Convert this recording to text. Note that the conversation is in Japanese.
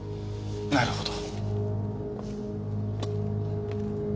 なるほど。